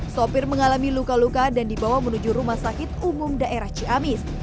sopir mengalami luka luka dan dibawa menuju rumah sakit umum daerah ciamis